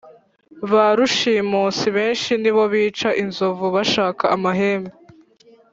Ba rushimusi benshi nibo bica inzovu bashaka amahembe